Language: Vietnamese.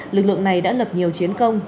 lực lượng này đã lập nhiều chiến công